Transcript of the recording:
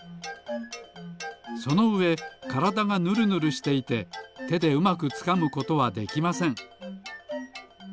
そのうえからだがぬるぬるしていててでうまくつかむことはできません。